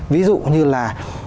ví dụ như là